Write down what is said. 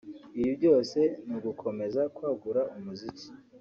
Ibi byose ni ugukomeza kwagura umuziki